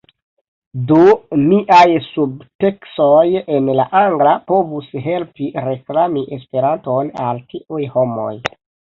Do miaj subteksoj en la angla povus helpi reklami Esperanton al tiuj homoj